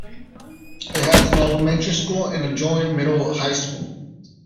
It has an elementary school and a joint middle-high school.